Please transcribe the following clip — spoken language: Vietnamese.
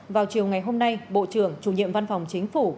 vào chiều ngày hôm nay bộ trưởng chủ nhiệm văn phòng chính phủ